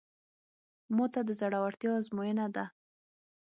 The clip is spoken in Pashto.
ماته د زړورتیا ازموینه ده.